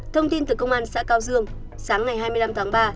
thông tin từ công an xã cao dương sáng ngày hai mươi năm tháng ba